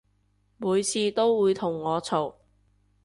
每次都會同我嘈